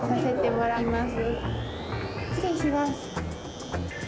失礼します。